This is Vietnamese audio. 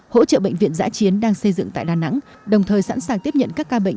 hỗ trợ bệnh viện giã chiến đang xây dựng tại đà nẵng đồng thời sẵn sàng tiếp nhận các ca bệnh